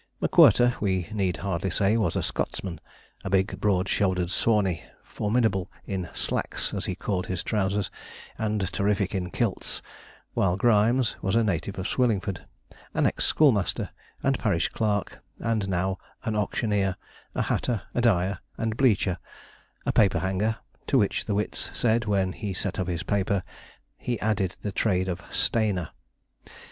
M'Quirter, we need hardly say, was a Scotsman a big, broad shouldered Sawney formidable in 'slacks,' as he called his trousers, and terrific in kilts; while Grimes was a native of Swillingford, an ex schoolmaster and parish clerk, and now an auctioneer, a hatter, a dyer and bleacher, a paper hanger, to which the wits said when he set up his paper, he added the trade of 'stainer.'